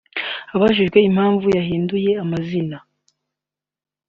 Abajijwe impamvu yahinduye amazina